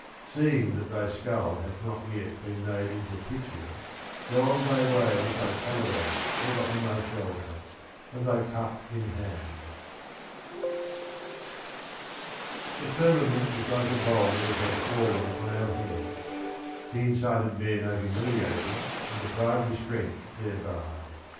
Seeing that thy Skull hath not yet been made into a Pitcher, go on thy Way with thy Calabash ever on thy Shoulder, and thy Cup in Hand. (3^ J The Firmament is like a Bowl that hath Fallen on our Heads : keensighted Men are humiliated and deprived of Strength there by.